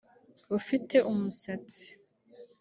ufite umusatsi